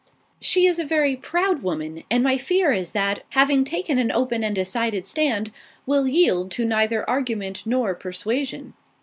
"She is a very proud woman, and my fear is that, having taken an open and decided stand, will yield to neither argument nor persuasion.